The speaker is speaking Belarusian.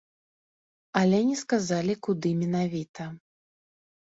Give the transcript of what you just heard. Але не сказалі, куды менавіта.